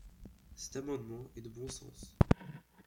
Cet amendement est de bon sens.